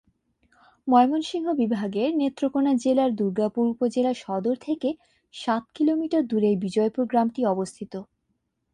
ময়মনসিংহ বিভাগের নেত্রকোণা জেলার দুর্গাপুর উপজেলা সদর থেকে সাত কিলোমিটার দূরে বিজয়পুর গ্রামটি অবস্থিত।